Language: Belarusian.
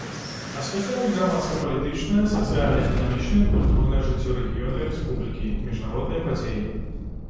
Асвятляюць грамадска-палітычнае, сацыяльна-эканамічнае і культурнае жыццё рэгіёна і рэспублікі, міжнародныя падзеі.